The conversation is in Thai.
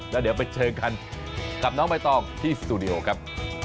แล้วเดี๋ยวไปเจอกันกับน้องใบตองที่สตูดิโอครับ